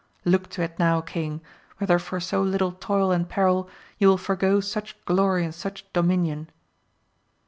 ' Look to it now, king ! whether for so little toil and peril you will forego such glory and such do minion.